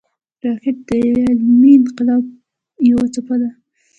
راکټ د علمي انقلاب یوه څپه ده